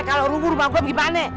kalo rubuh rumah gua gimana